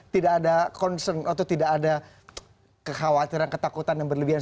tidak ada concern atau tidak ada kekhawatiran ketakutan yang berlebihan